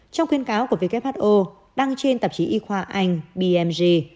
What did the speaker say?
trong khuyên cáo của who đăng trên tạp chí y khoa anh bmg